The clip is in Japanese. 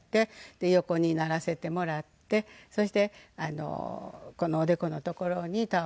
で横にならせてもらってそしてこのおでこのところにタオルをのせていただいて。